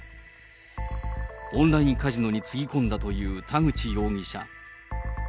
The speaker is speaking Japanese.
オンラインカジノにつぎ込んだという田口容疑者。